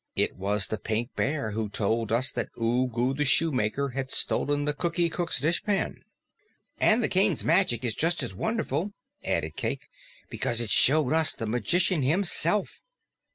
It was the Pink Bear who told us that Ugu the Shoemaker had stolen the Cookie Cook's dishpan." "And the King's magic is just as wonderful," added Cayke, "because it showed us the Magician himself."